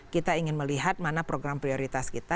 kita ingin melihat mana program prioritas kita